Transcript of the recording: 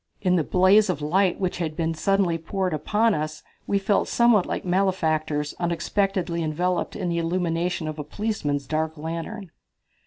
In the blaze of light which had been suddenly poured upon us we felt somewhat like malefactors unexpectedly enveloped in the illumination of a policeman's dark lantern.